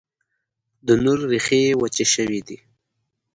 د نور، ریښې یې وچي شوي دي